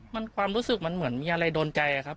มันความรู้สึกมันเหมือนมีอะไรโดนใจครับ